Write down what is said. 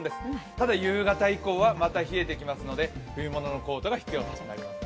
ただ夕方以降はまた冷えてきますので冬物のコートが必要になります。